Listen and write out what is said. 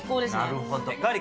なるほど。